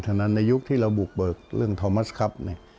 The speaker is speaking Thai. เท่านั้นในยุคที่เราบุกเบิกเรื่องทอมเมิสคัพ